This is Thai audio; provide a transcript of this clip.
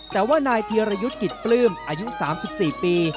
แต่ว่านายธีรยุทธ์กิจปลื้มอายุ๓๔ปี